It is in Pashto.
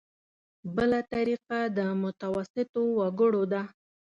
بله طریقه د متوسطو وګړو ده.